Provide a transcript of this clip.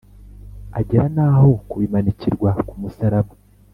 agera naho kubimanikirwa ku musaraba